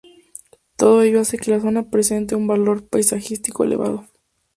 Todo ello hace que la zona presente un valor paisajístico elevado.